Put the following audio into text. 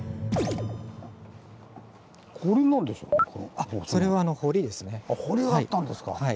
あっ堀があったんですか。